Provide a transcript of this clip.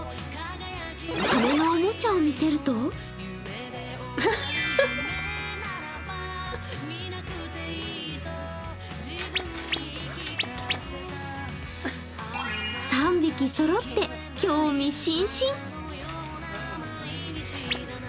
羽根のおもちゃを見せると３匹そろって興味津々。